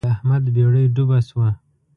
د احمد بېړۍ ډوبه شوه.